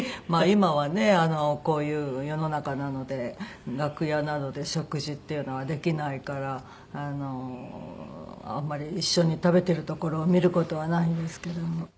まあ今はねこういう世の中なので楽屋などで食事っていうのはできないからあんまり一緒に食べてるところを見る事はないんですけども。